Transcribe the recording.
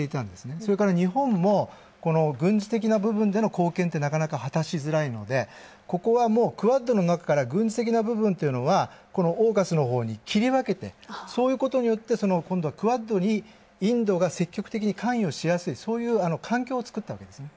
それから日本も軍事的な部分での貢献ってなかなか果たしづらいのでここはもうＱｕａｄの中から軍籍の部分はＡＵＫＵＳのほうに切り分けてそういうことによって、今度はＱｕａｄにインドが積極的に関与しやすいそういう環境を作ったんですね。